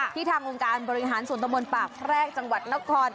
ทางองค์การบริหารส่วนตะบนปากแพรกจังหวัดนคร